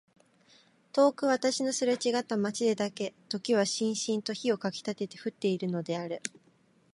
遠く私のすれちがった街でだけ時はしんしんと火をかきたてて降っているのである。